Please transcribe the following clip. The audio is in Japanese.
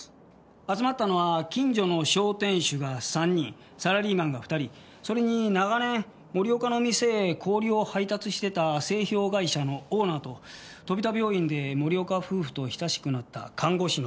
集まったのは近所の商店主が３人サラリーマンが２人それに長年森岡の店へ氷を配達してた製氷会社のオーナーと飛田病院で森岡夫婦と親しくなった看護師の７人です。